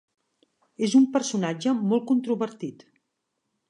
És un personatge molt controvertit.